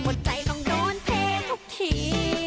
หัวใจต้องโดนเททุกที